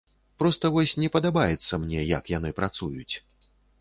Проста вось не падабаецца мне, як яны працуюць.